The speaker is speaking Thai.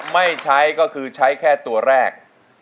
ไม่ใช้ก็คือใช้แค่ตัวแรก